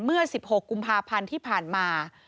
เมื่อ๑๖กุมภาพันธ์ที่ผ่านมา